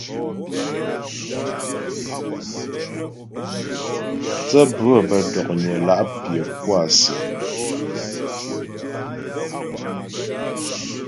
Thə́ bhə̌ bə́ dɔ̀knyə la' pyə̌ pú á sìm.